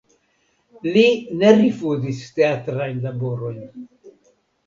Li ne rifuzis teatrajn laborojn.